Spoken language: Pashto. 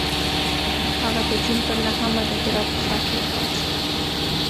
هغه د جون پر نهمه د هرات په ښار کې وفات شو.